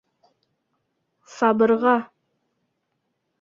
Сабырға...